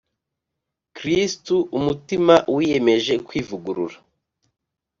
kristu umutima wiyemeje kwivugurura